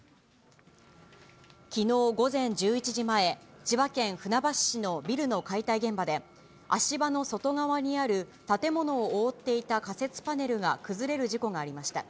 きのう午前１１時前、千葉県船橋市のビルの解体現場で、足場の外側にある、建物を覆っていた仮設パネルが崩れる事故がありました。